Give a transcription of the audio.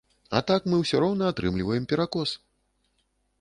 А так мы ўсё роўна атрымліваем перакос.